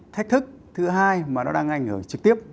thách thức thứ hai mà nó đang ngành ở trực tiếp